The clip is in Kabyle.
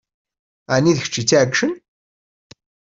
Ɛni d kečč i tt-iɛeggcen?